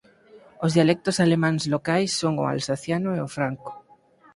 Os dialectos alemáns locais son o alsaciano e o franco.